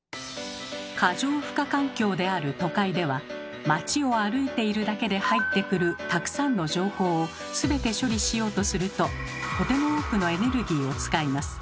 過剰負荷環境である都会では街を歩いているだけで入ってくるたくさんの情報を全て処理しようとするととても多くのエネルギーを使います。